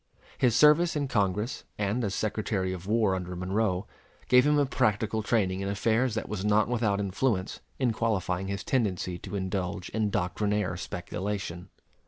His service in Congress and as Secretary of War under Monroe gave him a practical training in affairs that was not without influence in qualifying his tendency to indulge in doctrinaire speculation.